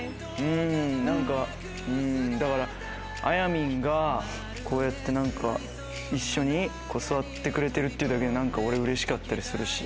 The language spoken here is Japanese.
何かあやみんがこうやって一緒に座ってくれてるっていうだけで俺うれしかったりするし。